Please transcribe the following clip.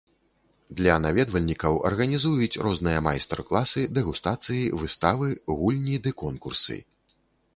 Для наведвальнікаў арганізуюць розныя майстар-класы, дэгустацыі, выставы, гульні ды конкурсы.